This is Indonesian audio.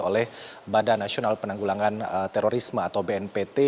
oleh badan nasional penanggulangan terorisme atau bnpt